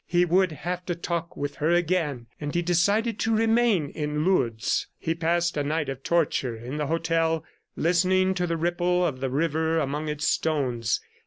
He would have to talk with her again ... and he decided to remain in Lourdes. He passed a night of torture in the hotel, listening to the ripple of the river among its stones.